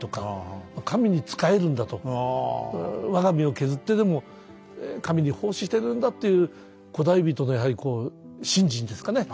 我が身を削ってでも神に奉仕してるんだっていう古代人のやはりこう信心ですかね